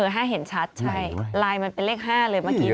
ห้าเห็นชัดใช่ไลน์มันเป็นเลข๕เลย